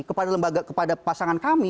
kepada pasangan kami